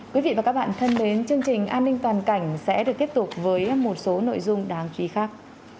quý vị và các bạn thân mến chương trình an ninh toàn cảnh sẽ được tiếp tục với một số nội dung đáng chú ý khác